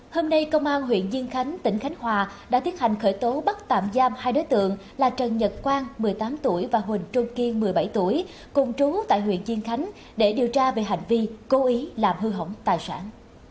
hôm nay công an huyện dương khánh tỉnh khánh hòa đã tiến hành khởi tố bắt tạm giam hai đối tượng là trần nhật quang một mươi tám tuổi và huỳnh trung kiên một mươi bảy tuổi cùng trú tại huyện chiên khánh để điều tra về hành vi cố ý làm hư hỏng tài sản